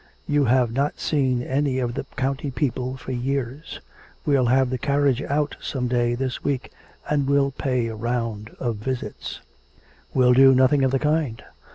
You have not seen any of the county people for years. We'll have the carriage out some day this week, and we'll pay a round of visits.' 'We'll do nothing of the kind.